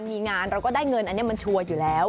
มีงานเราก็ได้เงินอันนี้มันชัวร์อยู่แล้ว